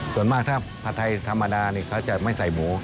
ส่วนมากถ้าผัดไทยธรรมดานี่เขาจะไม่ใส่หมู